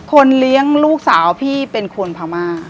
คนเลี้ยงลูกสาวพี่เป็นคนพม่า